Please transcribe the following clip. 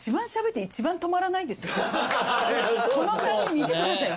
この３人見てください。